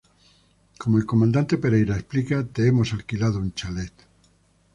Como el comandante Pereira explica: "Te hemos alquilado un chalet.